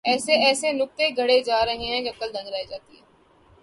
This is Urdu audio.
ایسے ایسے نکتے گھڑے جا رہے ہیں کہ عقل دنگ رہ جاتی ہے۔